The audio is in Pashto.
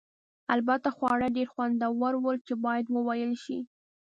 البته خواړه یې ډېر خوندور ول چې باید وویل شي.